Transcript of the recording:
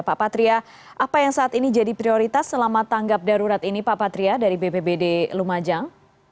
pak patria apa yang saat ini jadi prioritas selama tanggap darurat ini pak patria dari bpbd lumajang